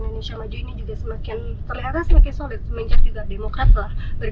mencetak demokrat lah